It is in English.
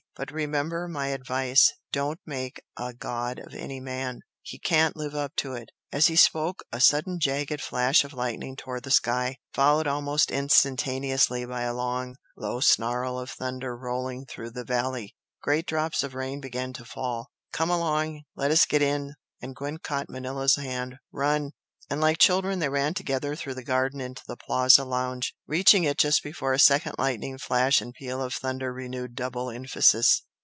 But remember my advice don't make a 'god' of any man; he can't live up to it " As he spoke a sudden jagged flash of lightning tore the sky, followed almost instantaneously by a long, low snarl of thunder rolling through the valley. Great drops of rain began to fall. "Come along! Let us get in!" and Gwent caught Manella's hand "Run!" And like children they ran together through the garden into the Plaza lounge, reaching it just before a second lightning flash and peal of thunder renewed double emphasis.